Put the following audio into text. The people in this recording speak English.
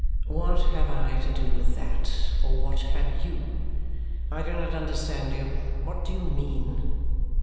"What have I to do with that, or what have you? I do not understand you. What do you mean?"